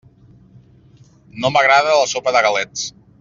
No m'agrada la sopa de galets.